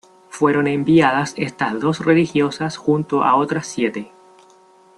Fueron enviadas estas dos religiosas junto a otras siete.